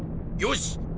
よし！